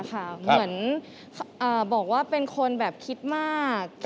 มินมินมินมินมิน